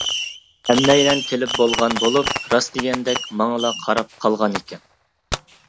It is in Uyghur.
ھەممەيلەن كېلىپ بولغان بولۇپ، راست دېگەندەك ماڭىلا قاراپ قالغانىكەن.